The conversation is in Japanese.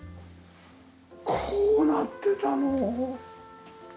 こうなってたの！？